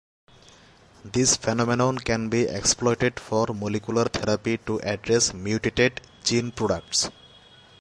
This phenomenon can be exploited for molecular therapy to address mutated gene products.